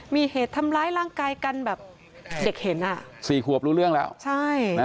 มีเหตุทำร้ายร่างกายกันแบบเด็กเห็นอ่ะ